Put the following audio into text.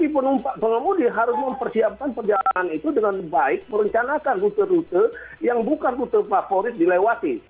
penumpang pengemudi harus mempersiapkan perjalanan itu dengan baik merencanakan rute rute yang bukan rute favorit dilewati